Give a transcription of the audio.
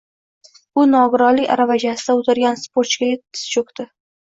U nogironlik aravachasida o‘tirgan sportchiga tiz cho‘kdi.